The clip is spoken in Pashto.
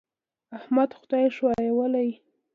احمد خدای ښويولی دی.